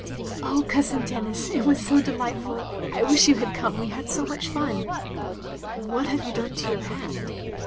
" Oh Cousin Denis, it was so delightful, I wish you had come, we had such fun. " "What have you done to yotir hand?'